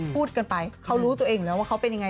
พูดกันไปเขารู้ตัวเองอยู่แล้วว่าเขาเป็นยังไง